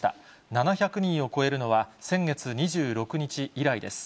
７００人を超えるのは先月２６日以来です。